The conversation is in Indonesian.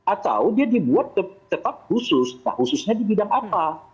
atau dia dibuat tetap khusus khususnya di bidang apa